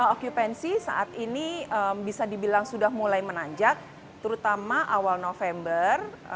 okupansi saat ini bisa dibilang sudah mulai menanjak terutama awal november